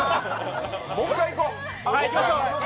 もう一回いこ。